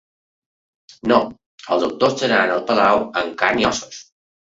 No, els autors seran al Palau en carn i ossos.